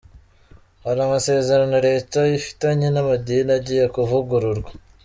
Hari amasezerano Leta ifitanye n’amadini agiye kuvugururwa.